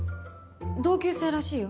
同級生らしいよ。